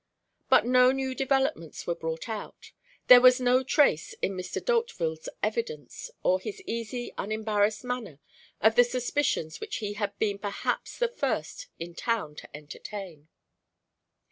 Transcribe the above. But no new developments were brought out. There was no trace in Mr. D'Hauteville's evidence or his easy, unembarrassed manner of the suspicions which he had been perhaps the first person in town to entertain.